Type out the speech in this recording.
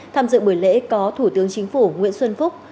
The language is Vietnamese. tham dự buổi lễ có thủ tướng chính phủ nguyễn xuân phúc